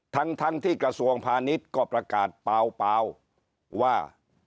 ทั้งที่กระทรวงพาณิชย์ก็ประกาศเปล่าว่า